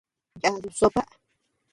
Yaduu sopa.